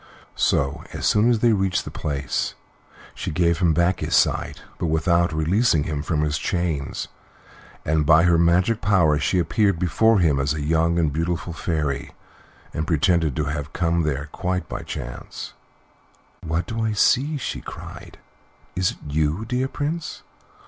So, as soon as they reached the place, she gave him back his sight, but without releasing him from his chains, and by her magic power she appeared before him as a young and beautiful fairy, and pretended to have come there quite by chance. "What do I see?" she cried. "Is it you, dear Prince?